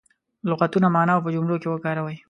لغتونه معنا او په جملو کې وکاروي.